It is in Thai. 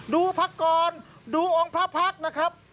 ดูพระกรดูองค์พระพรรคนะครับ